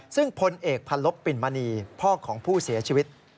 ซึ่งพลเอกพันลบปิ่นมณีพ่อของผู้เสียชีวิต